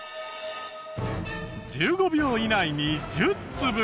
１５秒以内に１０粒。